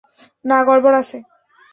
না, গড়বড় আছে।